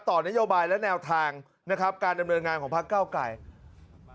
ต่อนโยบายและแนวทางนะครับการดำเนินงานของพักเก้าไกร